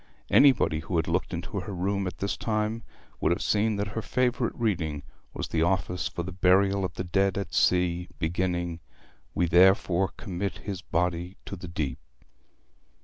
Anybody who had looked into her room at this time would have seen that her favourite reading was the office for the Burial of the Dead at Sea, beginning 'We therefore commit his body to the deep.'